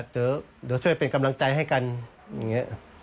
เดี๋ยวช่วยเป็นกำลังใจให้กันอย่างนี้